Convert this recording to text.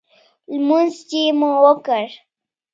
لمونځ چې مو وکړ.